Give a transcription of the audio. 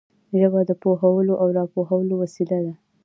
ژبه د پوهولو او را پوهولو وسیله ده